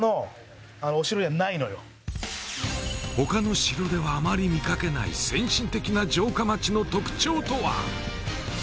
他の城ではあまり見かけない先進的な城下町の特徴とは？